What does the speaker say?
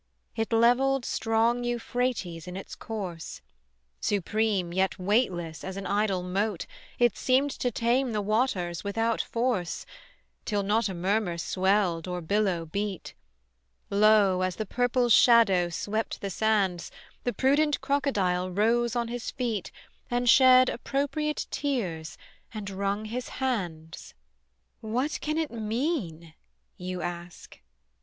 It levelled strong Euphrates in its course; Supreme yet weightless as an idle mote It seemed to tame the waters without force Till not a murmur swelled or billow beat: Lo, as the purple shadow swept the sands, The prudent crocodile rose on his feet And shed appropriate tears and wrung his hands. What can it mean? you ask.